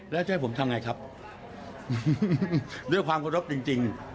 แล้วจะให้ผมทำไงครับด้วยความเคารพจริงจริง